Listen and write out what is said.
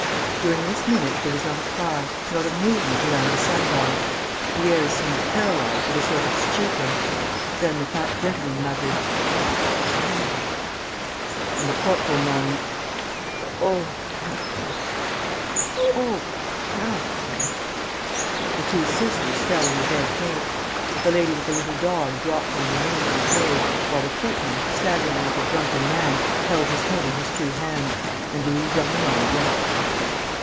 During this minute, there was not a cry, not a movement around the sun dial. The heirs seemed paralyzed with a sort of stupor. Then the fat gentleman muttered: "Geminy!" And the corporal moaned: "Oh, captain!... Oh, captain!..." The two sisters fell in a dead faint. The lady with the little dog dropped on her knees and prayed, while the footman, staggering like a drunken man, held his head in his two hands, and Louise d'Ernemont wept.